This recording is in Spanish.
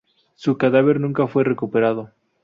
Su cadáver nunca fue recuperado.